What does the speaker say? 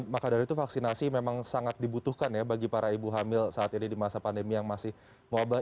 maka dari itu vaksinasi memang sangat dibutuhkan ya bagi para ibu hamil saat ini di masa pandemi yang masih wabah